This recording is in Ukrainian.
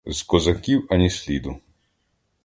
З козаків ані сліду.